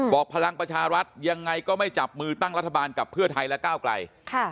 พลังประชารัฐยังไงก็ไม่จับมือตั้งรัฐบาลกับเพื่อไทยและก้าวไกล